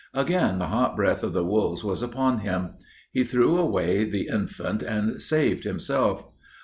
Again the hot breath of the wolves was upon him. He threw a way the infant and saved himself.